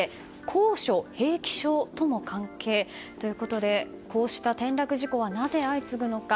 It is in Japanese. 高所平気症とも関係？ということでこうした転落事故はなぜ相次ぐのか。